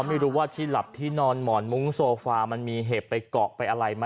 ไม่รู้ว่าที่หลับที่นอนหมอนมุ้งโซฟามันมีเห็บไปเกาะไปอะไรไหม